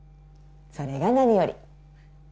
それが何より